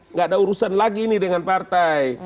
tidak ada urusan lagi ini dengan partai